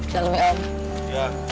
salam ya abah